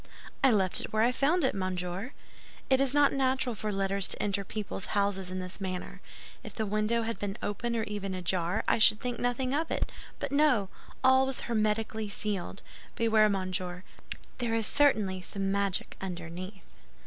"I left it where I found it, monsieur. It is not natural for letters to enter people's houses in this manner. If the window had been open or even ajar, I should think nothing of it; but, no—all was hermetically sealed. Beware, monsieur; there is certainly some magic underneath."